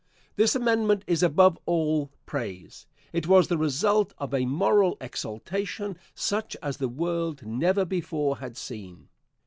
This amendment is above all praise. It was the result of a moral exaltation, such as the world never before had seen.